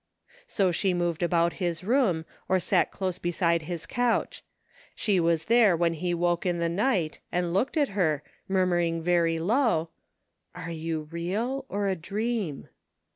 So she moved about his room, or sat dose beside bis couch. She was there when he woke in the night, and looked at her, murmuring very low : Are you real or a dream?